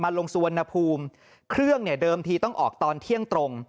มาลงสวนภูมิเครื่องเดิมที่ต้องออกตอนเที่ยงตรง